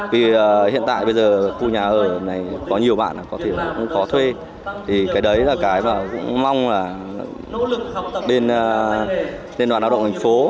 vì hiện tại bây giờ khu nhà ở này có nhiều bạn có thể cũng có thuê thì cái đấy là cái mà cũng mong là bên liên đoàn lao động thành phố